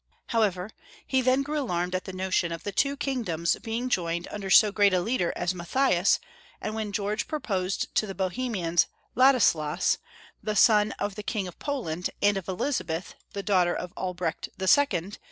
However he then grew alarmed at the notion of the two kingdoms being joined under so great a leader as Matthias, and when George proposed to the Bohemians, Ladislas, the son of the King of Poland, and of Elizabeth, the daughter of Alb^echt 251 252 Young Folks'^ History of Germany.